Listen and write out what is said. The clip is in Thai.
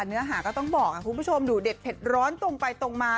เนื้อหาก็ต้องบอกคุณผู้ชมดูเด็ดเผ็ดร้อนตรงไปตรงมา